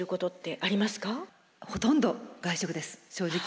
ほとんど外食です正直。